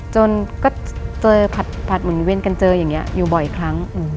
จนก็เจอผัดหมุนเวียนกันเจออย่างนี้อยู่บ่อยครั้ง